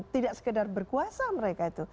tidak sekedar berkuasa mereka itu